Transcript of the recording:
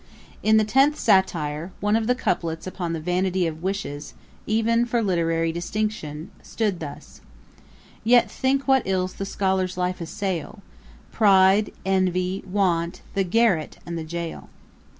In the tenth Satire, one of the couplets upon the vanity of wishes even for literary distinction stood thus: 'Yet think what ills the scholar's life assail, 'Pride, envy, want, the garret, and the jail.'